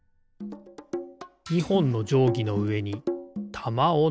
２ほんのじょうぎのうえにたまをのせる。